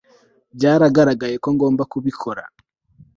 Byaragaragaye ko ngomba kubikora